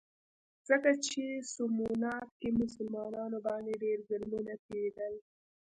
ځکه چې په سومنات کې په مسلمانانو باندې ډېر ظلمونه کېدل.